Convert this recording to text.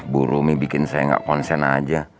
bu romi bikin saya nggak konsen aja